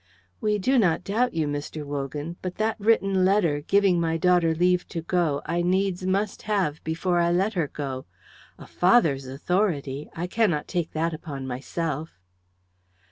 "We do not doubt you, Mr. Wogan, but that written letter, giving my daughter leave to go, I needs must have before I let her go. A father's authority! I cannot take that upon myself."